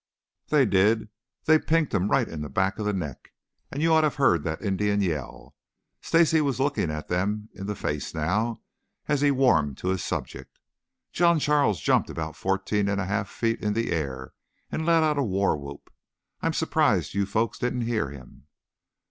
"They did! They pinked him right in the back of the neck, and you ought to have heard that Indian yell." Stacy was looking them in the face now, as he warmed to his subject. "John Charles jumped about fourteen and a half feet in the air and let out a war whoop. I'm surprised you folks didn't hear him."